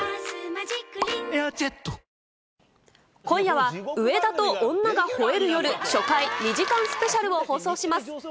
今夜は上田と女が吠える夜初回２時間スペシャルを放送します。